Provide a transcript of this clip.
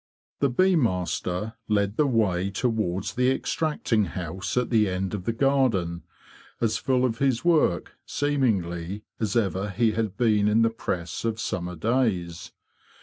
The bee master led the way towards the extract ing house at the end of the garden, as full of his work, seemingly, as ever he had been in the press of summer days.